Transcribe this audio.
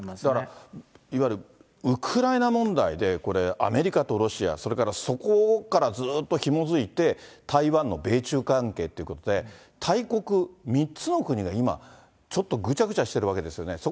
だから、いわゆるウクライナ問題でこれ、アメリカとロシア、それからそこからずっとひもづいて、台湾の米中関係っていうことで、大国３つの国が今、ちょっとぐちゃぐちゃしてるわけですよね。